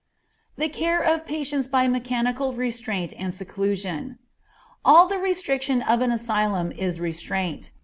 The Care of Patients by Mechanical Restraint and Seclusion. All the restriction of an asylum is restraint.